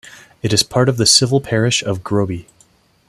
It is part of the civil parish of Groby.